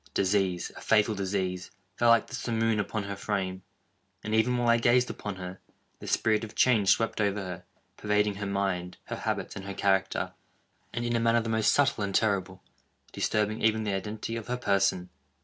Disease—a fatal disease, fell like the simoon upon her frame; and, even while I gazed upon her, the spirit of change swept over her, pervading her mind, her habits, and her character, and, in a manner the most subtle and terrible, disturbing even the identity of her person!